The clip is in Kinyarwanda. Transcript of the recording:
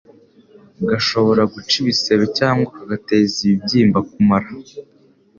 gashobora guca ibisebe cyangwa kagateza ibibyimba ku mara.